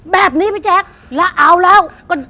แบบนี้พี่แจ๊คแล้วเอาแล้วก็